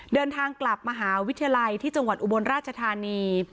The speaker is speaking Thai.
เดินทางกลับมหาวิทยาลัยที่จังหวัดอุบลราชธานี